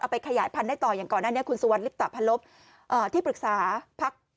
เอาไปขยายพันธุ์ได้ต่ออย่างก่อนหน้านี้คุณสุวรรณริตรภรพที่ปรึกษา